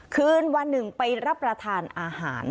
คืนวันหนึ่งไปรับประทานอาหาร